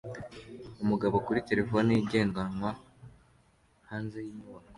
Umugabo kuri terefone ye igendanwa hanze yinyubako